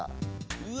うわ！